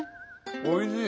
おいしい！